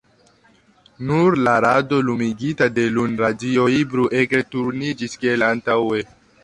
Nur la rado, lumigita de lunradioj, bruege turniĝis, kiel antaŭe.